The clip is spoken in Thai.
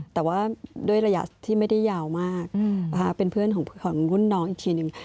แต่ว่าด้วยระยะที่ไม่ได้ยาวมากนะคะเป็นเพื่อนของรุ่นน้องอีกทีนึง